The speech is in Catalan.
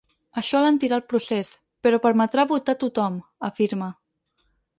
Això alentirà el procés, però permetrà votar a tothom, afirma.